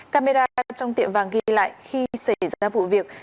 camera trong tiệm vàng ghi lại khi xảy ra vụ việc